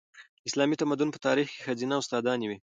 د اسلامي تمدن په تاریخ کې ښځینه استادانې وې.